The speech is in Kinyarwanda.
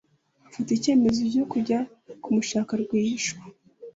Afata icyemezo cyo kujya kumushaka rwihishwa,